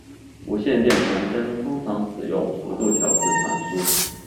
无线电传真通常使用幅度调制传输。